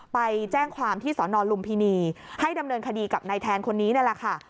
ไปแจ้งความที่สนลุมพินีให้ดำเนินคดีกับนายแทนคนนี้นั่นแหละค่ะ